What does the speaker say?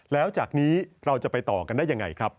แล้วจากนี้เราจะไปต่อกันได้ยังไงครับ